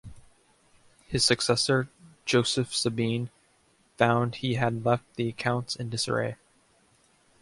His successor Joseph Sabine found he had left the accounts in disarray.